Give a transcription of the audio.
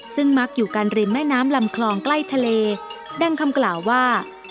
ซึ่งมักอยู่กันริมแม่น้ำลำคลองใกล้ทะเลดังคำกล่าวว่า